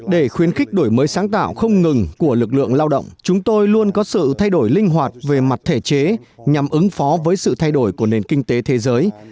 để khuyến khích đổi mới sáng tạo không ngừng của lực lượng lao động chúng tôi luôn có sự thay đổi linh hoạt về mặt thể chế nhằm ứng phó với sự thay đổi của nền kinh tế thế giới